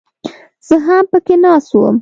زه هم پکښې ناست وم.